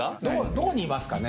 どこにいますかね？